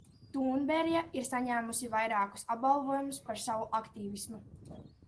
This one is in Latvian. Tūnberja ir saņēmusi vairākus apbalvojumus par savu aktīvismu.